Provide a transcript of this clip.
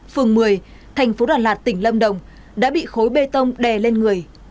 phường một mươi thành phố đà lạt tỉnh lâm đồng đã bị khối bê tông đè lên người